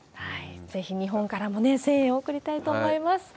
ぜひ日本からもね、声援を送りたいと思います。